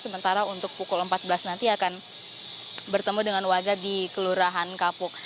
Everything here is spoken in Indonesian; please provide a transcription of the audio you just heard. sementara untuk pukul empat belas nanti akan bertemu dengan warga di kelurahan kapuk